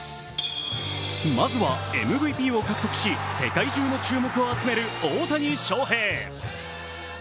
まずはＭＶＰを獲得し世界中の注目を集める大谷翔平。